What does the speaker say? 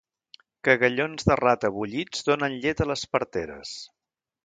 Cagallons de rata bullits donen llet a les parteres.